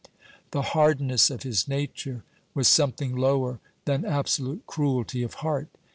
The hardness of his nature was something lower than absolute cruelty of heart.